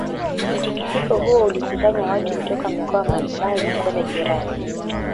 Mtikisiko huo ulikusanya watu kutoka mikoa mbali mbali kwenda jirani